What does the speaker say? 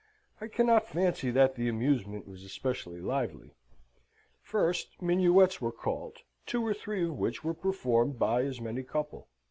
I cannot fancy that the amusement was especially lively. First, minuets were called, two or three of which were performed by as many couple.